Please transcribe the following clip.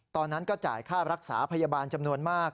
ตอนนั้นก็จ่ายค่ารักษาพยาบาลจำนวนมาก